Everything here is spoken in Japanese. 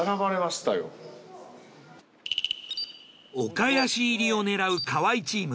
岡谷市入りを狙う河合チーム。